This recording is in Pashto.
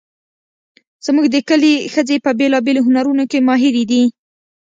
زموږ د کلي ښځې په بیلابیلو هنرونو کې ماهرې دي